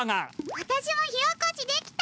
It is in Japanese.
わたしも火おこしできた！